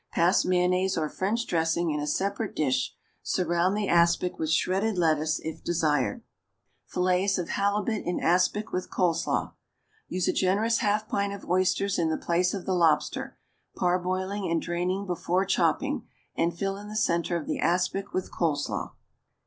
Pass mayonnaise or French dressing in a separate dish. Surround the aspic with shredded lettuce if desired. =Fillets of Halibut in Aspic with Cole Slaw.= Use a generous half pint of oysters in the place of the lobster, parboiling and draining before chopping, and fill in the centre of the aspic with coleslaw.